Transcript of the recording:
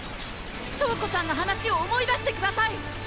翔子ちゃんの話を思い出してください！